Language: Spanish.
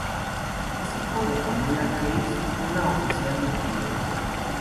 Es hijo de Pamela Case, una oficial del gobierno.